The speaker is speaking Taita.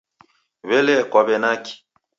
W'ele kwaw'enaki?